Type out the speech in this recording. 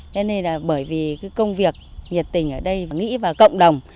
nên là bởi vì cái công việc nhiệt tình ở đây nghĩ vào cộng đồng